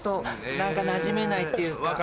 何かなじめないっていうか。